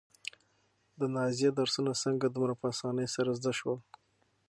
د نازيې درسونه څنګه دومره په اسانۍ سره زده شول؟